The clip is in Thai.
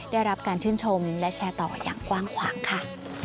ได้รับการชื่นชมและแชร์ต่ออย่างกว้างขวางค่ะ